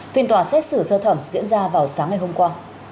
phiên tòa xét xử sơ thẩm diễn ra vào sáng ngày hôm qua